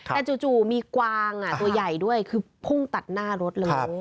แต่จู่มีกวางตัวใหญ่ด้วยคือพุ่งตัดหน้ารถเลย